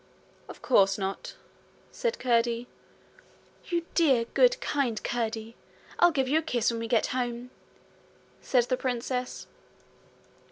'Of course not,' said Curdie. 'You dear, good, kind Curdie! I'll give you a kiss when we get home,' said the princess.